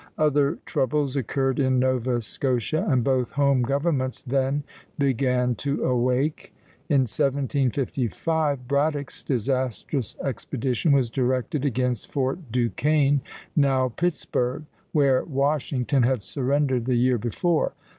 Other troubles occurred in Nova Scotia, and both home governments then began to awake. In 1755 Braddock's disastrous expedition was directed against Fort Duquesne, now Pittsburg, where Washington had surrendered the year before.